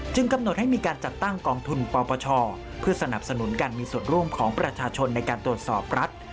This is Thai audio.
กำหนดให้มีการจัดตั้งกองทุนปปชเพื่อสนับสนุนการมีส่วนร่วมของประชาชนในการตรวจสอบรัฐ